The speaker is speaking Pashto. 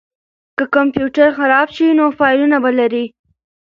که کمپیوټر خراب شي نو فایلونه به لرئ.